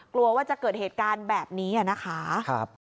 กลัวว่าจะเกิดเหตุการณ์แบบนี้นะคะ